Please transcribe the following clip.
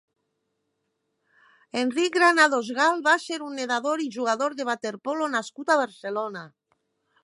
Enric Granados Gal va ser un nedador i jugador de waterpolo nascut a Barcelona.